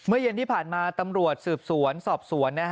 เย็นที่ผ่านมาตำรวจสืบสวนสอบสวน